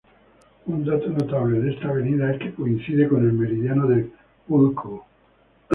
Un dato notable de esta avenida es que coincide con el meridiano de Púlkovo.